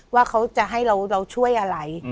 ว่าเขาจะให้เราช่วยอะไร